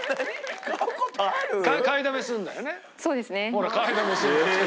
ほら買いだめするって。